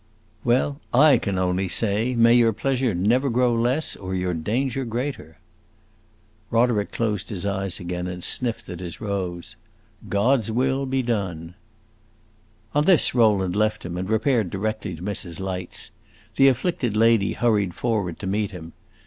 "Well, I can only say, 'May your pleasure never grow less, or your danger greater!'" Roderick closed his eyes again, and sniffed at his rose. "God's will be done!" On this Rowland left him and repaired directly to Mrs. Light's. This afflicted lady hurried forward to meet him.